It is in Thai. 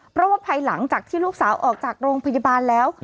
เพราะว่าภายหลังจากที่ลูกสาวออกจากโรงพยาบาลแล้ว